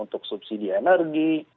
untuk subsidi energi